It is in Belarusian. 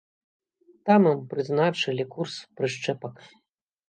Там ім прызначылі курс прышчэпак.